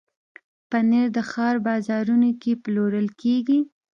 پنېر د ښار بازارونو کې پلورل کېږي.